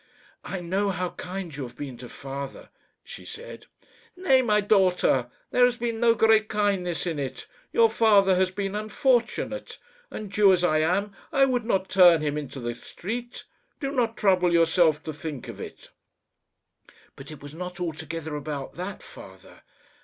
"I know how kind you have been to father," she said. "Nay, my daughter, there has been no great kindness in it. Your father has been unfortunate, and, Jew as I am, I would not turn him into the street. Do not trouble yourself to think of it." "But it was not altogether about that, father.